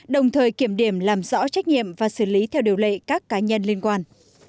đồng thời kiểm điểm làm rõ trách nhiệm và xử lý theo điều lệ các cá nhân liên quan